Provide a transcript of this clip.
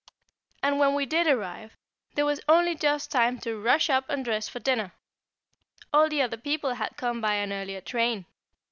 And when we did arrive, there was only just time to rush up and dress for dinner; all the other people had come by an earlier train.